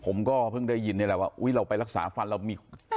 ผมก็เพิ่งได้ยินนี่แหละว่าอุ๊ยเราไปรักษาฟันเรามี